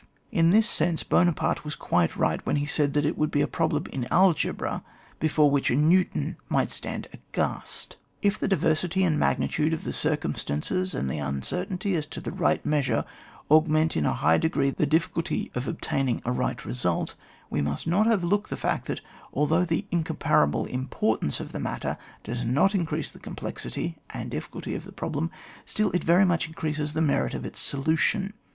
In this sense Buonaparte was quite right when he said that it would be a problem in algebra before which a New ton might stand aghast. If the diversity and magnitude of the circumstances and the uncertainty as to the right measure augment in a high degree the difficulty of obtaining a right result, we must not overlook the fact that although the incomparable importance of the matter does not increase the com plexity and difficulty of the problem, still it very much increases the merit of its solution.